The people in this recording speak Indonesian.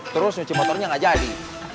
terus cuci motornya gak jadi